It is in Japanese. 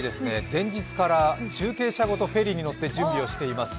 前日から中継車ごとフェリーに乗って準備をしています。